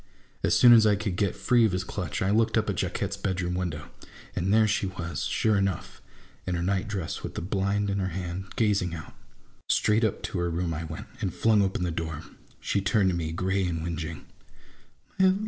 As soon as I could get free of his clutch, I looked up at Jacquette's bedroom window, and there she was, sure enough ! in her nightdress, with the blind in her hand, gazing out. Straight up to her room I went, and flung open the door. She turned to me gray and whingeing.